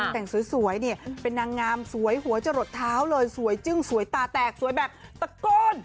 แต่งสวยเนี่ยเป็นนางงามสวยหัวจะหลดเท้าเลยสวยจึ้งสวยตาแตกสวยแบบตะโกน